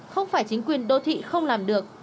không phải chính quyền đô thị không làm được